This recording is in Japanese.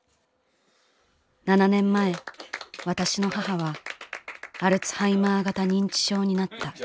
７年前私の母はアルツハイマー型認知症になった」。